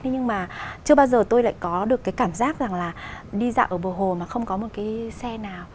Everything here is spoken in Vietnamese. nhưng mà chưa bao giờ tôi lại có được cái cảm giác rằng là đi dạo ở bờ hồ mà không có một cái xe nào